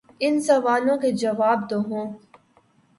ان سوالوں کے جواب تو ہوں۔